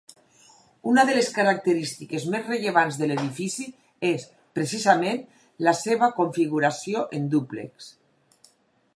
Una de les característiques més rellevants de l'edifici és precisament la seva configuració en dúplex.